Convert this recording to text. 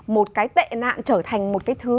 một cái tệ nạn trở thành một cái thứ